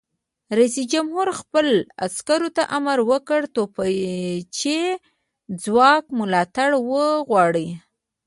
رئیس جمهور خپلو عسکرو ته امر وکړ؛ د توپچي ځواک ملاتړ وغواړئ!